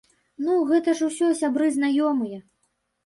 Ну, гэта ж усё сябры-знаёмыя!